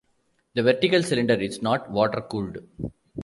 The vertical cylinder is not water cooled.